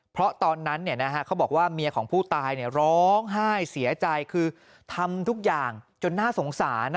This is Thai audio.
เพราะตอนนั้นเขาบอกว่าเมียของผู้ตายร้องไห้เสียใจคือทำทุกอย่างจนน่าสงสาร